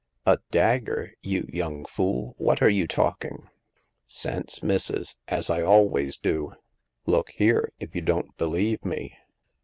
" A dagger, you young fool ! What are you talking?" Sense, missus — as I' always do. Look here, if you don't believe me."